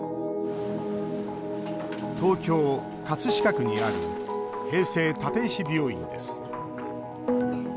東京・葛飾区にある平成立石病院です。